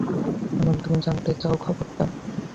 ভাবলাম তুমি জানতে চাও খবরটা।